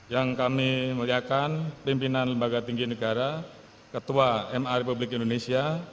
yang kami muliakan pimpinan lembaga tinggi negara ketua ma republik indonesia